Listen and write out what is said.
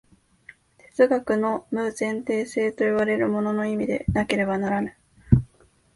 哲学の無前提性といわれるものの意味でなければならぬ。